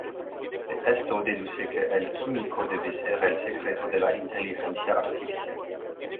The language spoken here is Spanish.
De esto, deduce que el químico debe ser el secreto de la inteligencia artificial.